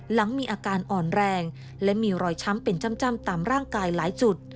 หลังมีอาการอ่อนแรงและมีรอยช้ำเป็นจ้ำตามร่างกายหลายจุด